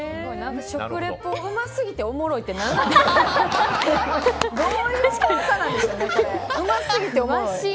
食リポうますぎておもろいって何なんですか。